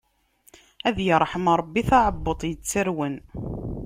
Ad irḥem Ṛebbi taɛebbuḍt yettarwen.